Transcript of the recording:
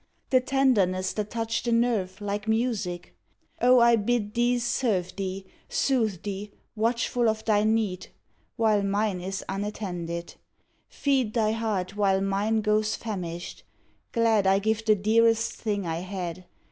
The tenderness that touched the nerve Like music? Oh, I bid these serve Thee, soothe thee, watchful of thy need While mine is unattended; feed Thy heart while mine goes famished. Glad, I give the dearest thing I had.